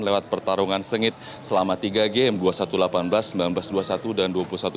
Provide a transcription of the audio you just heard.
lewat pertarungan sengit selama tiga game dua puluh satu delapan belas sembilan belas dua puluh satu dan dua puluh satu tujuh belas